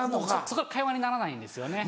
そこは会話にならないんですよね。